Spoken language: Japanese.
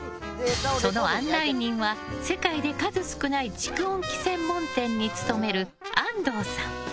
その案内人は、世界で数少ない蓄音機専門店に勤める安藤さん。